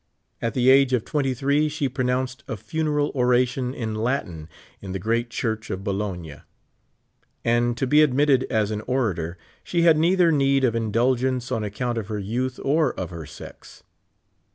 At the age of twenty three she pronounced a funeral oration in Latin in the great church of Rologne ; and to be admitted as an orator, she had neither need of indulgence on account of her youth or of her sex.